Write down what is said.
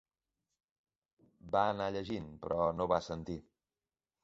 Va anar llegint, però no va sentir.